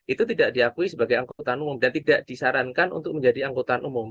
itu tidak diakui sebagai angkutan umum dan tidak disarankan untuk menjadi angkutan umum